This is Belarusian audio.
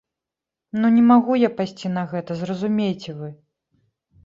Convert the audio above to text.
Ну не магу я пайсці на гэта, зразумейце вы!